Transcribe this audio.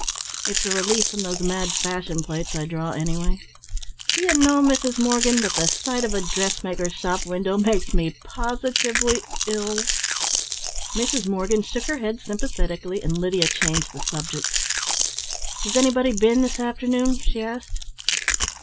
It's a relief from those mad fashion plates I draw, anyway. Do you know, Mrs. Morgan, that the sight of a dressmaker's shop window makes me positively ill!" Mrs. Morgan shook her head sympathetically and Lydia changed the subject. "Has anybody been this afternoon?" she asked.